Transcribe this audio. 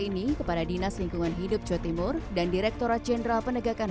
ini kepada dinas lingkungan hidup jawa timur dan direkturat jenderal penegakan